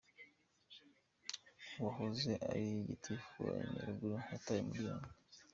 Uwahoze ari gitifu wa Nyaruguru yatawe muri yombi .